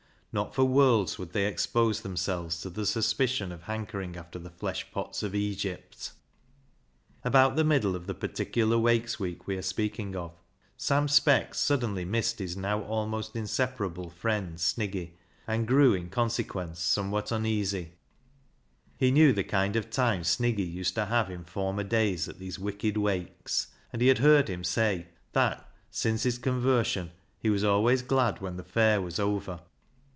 Not for worlds would they expose themselves to the suspicion of hankering after the flesh pots of Kgypt. 9 I30 BECKSIDE LIGHTS About the middle of the particular Wakes week we are speaking of, Sam Speck suddenly missed his now almost inseparable friend Sniggy, and grew, in consequence, somewhat uneasy. He knew the kind of time Sniggy used to have in former days at these wicked Wakes. And he had heard him say that, since his conversion, he was always glad when the fair was over.